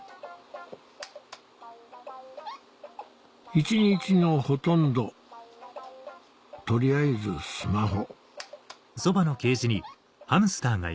一日のほとんど取りあえずスマホ